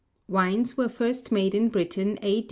[WINES WERE FIRST MADE IN BRITAIN A.